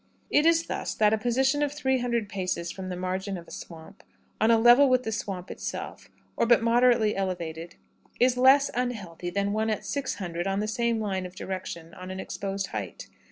"It is thus that a position of three hundred paces from the margin of a swamp, on a level with the swamp itself, or but moderately elevated, is less unhealthy than one at six hundred on the same line of direction on an exposed height.